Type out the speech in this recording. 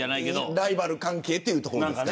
ライバル関係というところですかね。